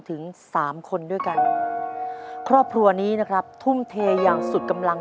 ถึงสามคนด้วยกันครอบครัวนี้นะครับทุ่มเทอย่างสุดกำลัง